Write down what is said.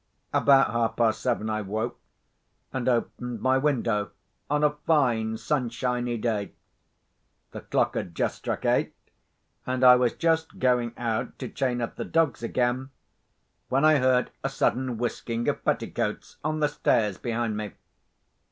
About half past seven I woke, and opened my window on a fine sunshiny day. The clock had struck eight, and I was just going out to chain up the dogs again, when I heard a sudden whisking of petticoats on the stairs behind me.